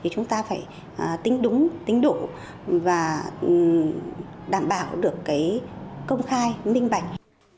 chúng ta phải tính đúng tính đủ và đảm bảo được công khai minh bạch